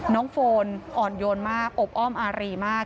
โฟนอ่อนโยนมากอบอ้อมอารีมาก